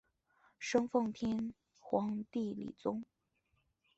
生奉天皇帝李琮。